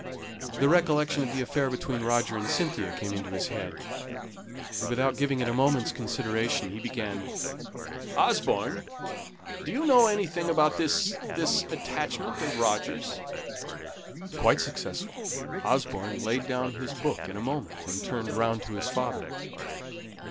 The recollection of the affair between Roger and Cynthia came into his head, and, without giving it a moment's consideration, he began, "Osborne! Do you know anything about this this attachment of Roger's?" Quite successful. Osborne laid down his book in a moment, and turned round to his father.